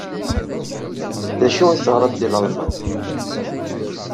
D acu ay teɣriḍ deg Lalman?